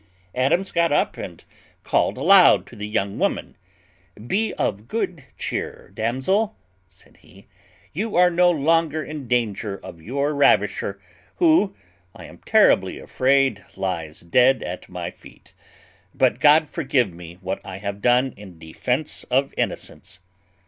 Adams got up and called aloud to the young woman. "Be of good cheer, damsel," said he, "you are no longer in danger of your ravisher, who, I am terribly afraid, lies dead at my feet; but God forgive me what I have done in defence of innocence!"